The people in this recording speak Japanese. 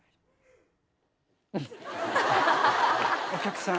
お客さん